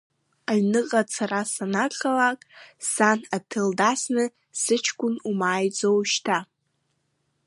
Аҩныҟа ацара санагхалаак сан аҭел дасны сычкәын умааиӡо ушьҭа?